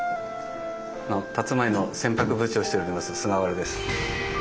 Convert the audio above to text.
たつまいの船舶部長をしております菅原です。